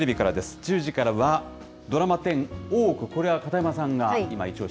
１０時からは、ドラマ１０大奥、片山さんが今、一押し。